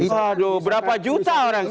waduh berapa juta orang